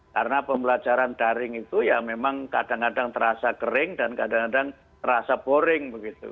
karena pembelajaran daring itu ya memang kadang kadang terasa kering dan kadang kadang terasa boring begitu